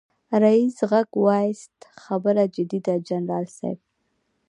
ريس غږ واېست خبره جدي ده جنرال صيب.